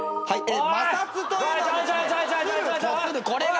はい。